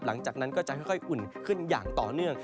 หลังจากนั้นก็จะค่อยอุ่นขึ้นอย่างต่อเนื่อง